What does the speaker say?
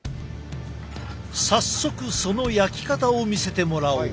早速その焼き方を見せてもらおう。